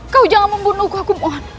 kau jangan membunuhku aku